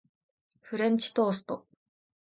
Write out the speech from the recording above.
フレンチトースト